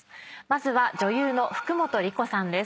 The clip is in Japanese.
まずは女優の福本莉子さんです。